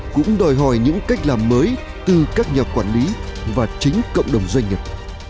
cũng đòi hỏi những cách làm mới từ các nhà quản lý và chính cộng đồng doanh nghiệp